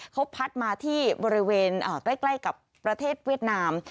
เขาพัดมาที่บริเวณใกล้กับประเทศเวียดนาม